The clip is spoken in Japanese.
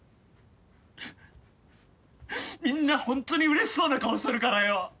みんなホントにうれしそうな顔するからよ